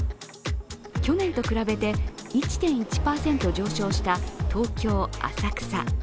去年と比べて１．１％上昇した東京・浅草。